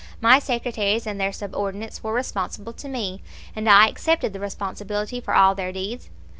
My secretaries and their subordinates were responsible to me, and I accepted the responsibility for all their deeds.